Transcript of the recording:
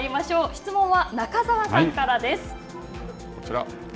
質問は中澤さんからです。